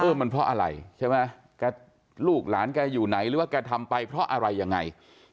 มันเพราะอะไรใช่ไหมลูกหลานแกอยู่ไหนหรือว่าแกทำไปเพราะอะไรยังไง